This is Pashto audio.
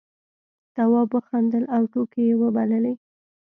تواب وخندل او ټوکې یې وبللې.